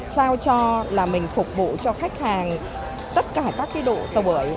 sao cho mình phục vụ cho khách hàng tất cả các đội tàu bưởi